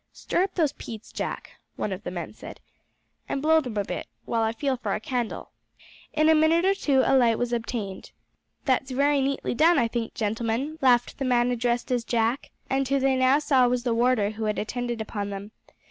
"Stir up those peats, Jack," one of the men said, "and blow them a bit, while I feel for a candle." In a minute or two a light was obtained. "That's very neatly done, I think, gentlemen," laughed the man addressed as Jack, and who they now saw was the warder who had attended upon them.